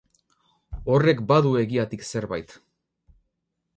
Horrek badu egiatik zerbait.